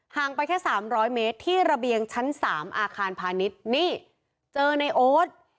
ห่างไปแค่สามร้อยเมตรที่ระเบียงชั้นสามอาคารพาณิชย์นี่เจอในโอ๊ด